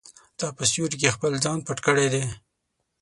تا په سیوري کې خپل ځان پټ کړی دی.